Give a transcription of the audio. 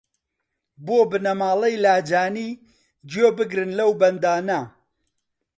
بۆ بنەماڵەی لاجانی گوێ بگرن لەو بەندانە